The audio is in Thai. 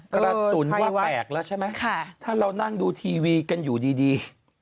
กระสุนว่าแตกแล้วใช่ไหมถ้าเรานั่งดูทีวีกันอยู่ดี